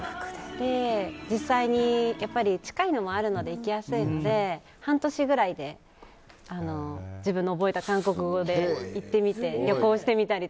実際に近いのもあるので行きやすいので、半年ぐらいで自分の覚えた韓国語で行ってみて、旅行してみたり。